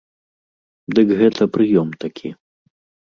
Дык гэта прыём такі.